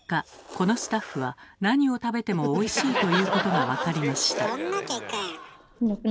このスタッフは何を食べても「おいしい」と言うことが分かりました。